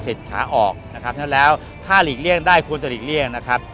วิฺาริสินส์ขาออกนะครับและถ้าหลีกเลี่ยงได้ควรจะหลีกเลี่ยงนะครับ